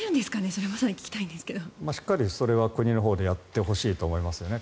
それはしっかり国のほうでやってほしいと思いますよね。